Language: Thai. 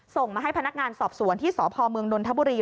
ส่งมาให้พนักงานสอบสวนที่สพเมืองนนทบุรี